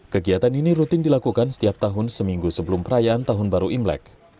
kegiatan ini rutin dilakukan setiap tahun seminggu sebelum perayaan tahun baru imlek